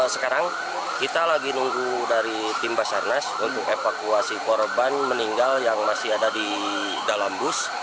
sekarang kita lagi nunggu dari tim basarnas untuk evakuasi korban meninggal yang masih ada di dalam bus